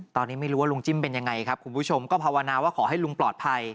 ตอนนี้ไม่รู้ว่าลุงจิ้มเป็นยังไงครับคุณผู้ชมก็ภาวนาว่าขอให้ลุงปลอดภัย